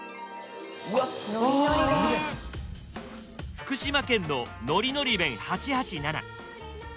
福島県の「海苔のり弁８８７」。